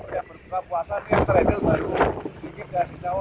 yang berbuka puasa yang terendal baru